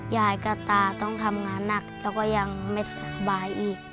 ยายกับตาต้องทำงานหนักแล้วก็ยังไม่สบายอีก